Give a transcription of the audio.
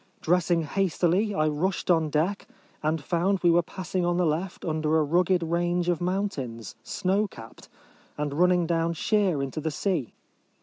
Dressing hastily, I rushed on deck, and found we were pass ing on the left under a rugged range of mountains, snow capped, and running down sheer into the sea.